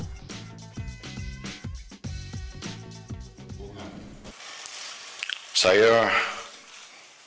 kami mengucapkan terima kasih kepada para penonton dan para penonton yang telah menonton video ini